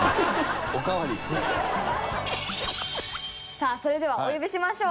さあそれではお呼びしましょう。